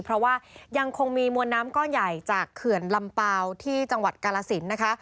เพราะว่ายังคงมีมวลน้ำก้อนใหญ่จากเขื่อนลำเปล่าที่จังหวัดกาลสินนะคะ